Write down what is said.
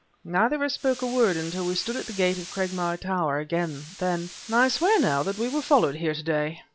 Neither of us spoke a word until we stood at the gate of Cragmire Tower again; then: "I'll swear, now, that we were followed here today!"